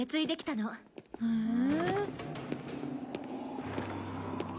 へえ。